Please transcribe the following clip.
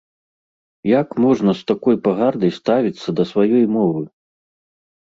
Як можна з такой пагардай ставіцца да сваёй мовы?